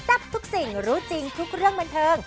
ทับทุกสิ่งรู้จริงทุกเรื่องบันเทิง